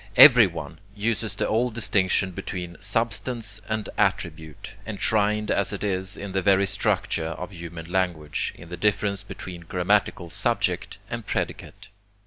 Everyone uses the old distinction between substance and attribute, enshrined as it is in the very structure of human language, in the difference between grammatical subject and predicate.